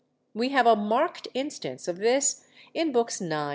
We have a marked instance of this in Books IX.